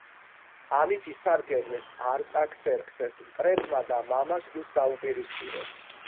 ამით ისარგებლეს არტაქსერქსეს მტრებმა და მამა შვილს დაუპირისპირეს.